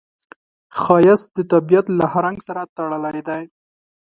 ښایست د طبیعت له هر رنګ سره تړلی دی